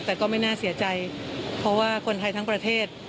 แต่ก็ไม่น่าเสียใจเพราะว่าคนไทยทั้งประเทศ